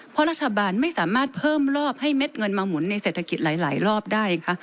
เพราะรัฐบาลไม่สามารถเพิ่มรอบให้เม็ดเงินมาหมุนในเศรษฐกิจหลายรอบได้ค่ะ